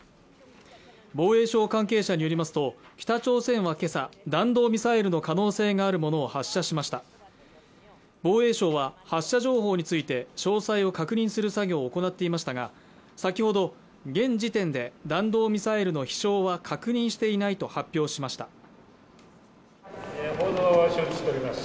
防衛省関係者によりますと北朝鮮はけさ弾道ミサイルの可能性があるものを発射しました防衛省は発射情報について詳細を確認する作業を行っていましたが先ほど現時点で弾道ミサイルの飛翔は確認していないと発表しました